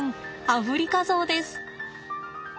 アフリカゾウです！